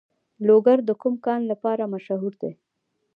لوګر د کوم کان لپاره مشهور دی؟